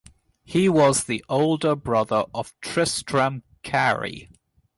He was the older brother of Tristram Cary.